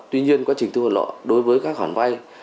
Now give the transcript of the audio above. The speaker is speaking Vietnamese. tuy nhiên quá trình thu hồi nợ đối với các khoản vay